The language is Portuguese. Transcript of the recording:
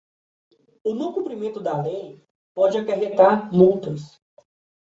O não cumprimento da lei pode acarretar multas.